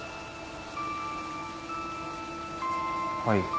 はい。